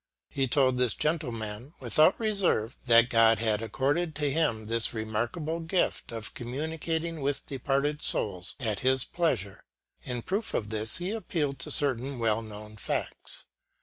He told this gentleman, without reserve, that God had accorded to him this remarkable gift of communicating with departed souls at his pleasure. In proof of this he appealed to certain well known facts.